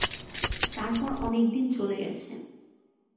তারপর অনেক দিন চলে গেছে।